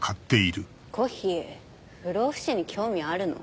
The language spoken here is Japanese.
コッヒー不老不死に興味あるの？